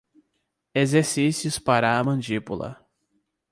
Exercícios para a mandíbula